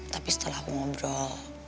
tapi setelah aku ngobrol